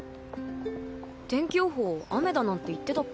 天気予報雨だなんて言ってたっけ？